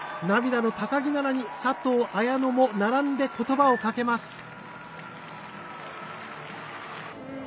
涙の高木菜那に佐藤綾乃も並んでことばをかけます。